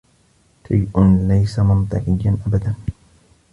شيء ليس منطقيا أبدا.